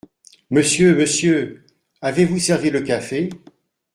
Monsieur ! monsieur !… avez-vous servi le café ?